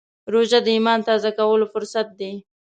روژه د ایمان تازه کولو فرصت دی.